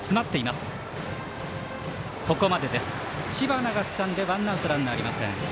知花がつかんでワンアウト、ランナーありません。